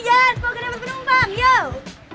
jalan semoga removing penumpang yow